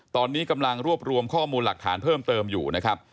ตอนนี้กำลังรวบรวมข้อมูลหลักฐานเพิ่มเติมอยู่นะครับ